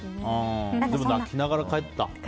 泣きながら帰った。